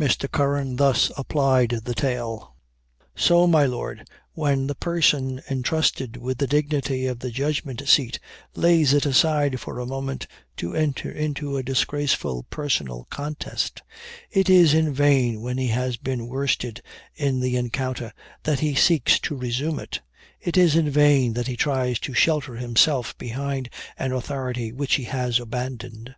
Mr. Curran thus applied the tale: "So, my Lord, when the person entrusted with the dignity of the judgment seat lays it aside for a moment to enter into a disgraceful personal contest, it is in vain when he has been worsted in the encounter that he seeks to resume it it is in vain that he tries to shelter himself behind an authority which he has abandoned."